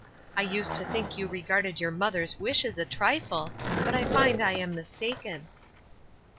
I used to think you regarded your mother's wishes a trifle, but I find I am mistaken."